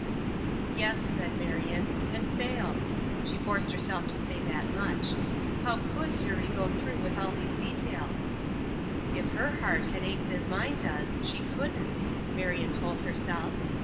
"Yes," said Marion, "and failed." She forced herself to say that much. How could Eurie go through with all these details? "If her heart had ached as mine does, she couldn't," Marion told herself.